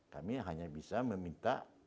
kami hanya bisa meminta